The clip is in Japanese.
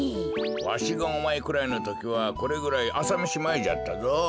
わしがおまえくらいのときはこれぐらいあさめしまえじゃったぞ。